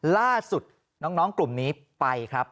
ล่าสุดน้องกลุ่มนี้ไปครับ